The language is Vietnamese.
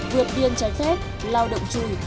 vượt biên trái phép lao động chui